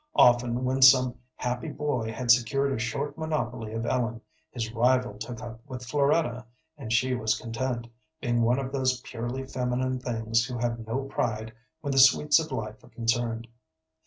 Often when some happy boy had secured a short monopoly of Ellen, his rival took up with Floretta, and she was content, being one of those purely feminine things who have no pride when the sweets of life are concerned.